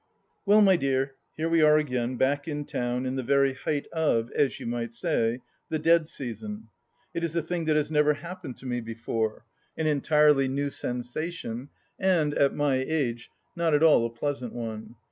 Well, my dear, here we are again, back in town in the very height of, as you might say, the Dead Season. It is a thing that has never happened to me before : an entirely new sensa tion, and, at my age, not at all a pleasant one.